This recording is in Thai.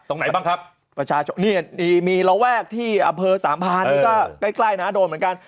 ตรงไหนบ้างครับประชาชนนี่มีระแวกที่อำเภอสามพานนี่ก็ใกล้นะโดนเหมือนกัน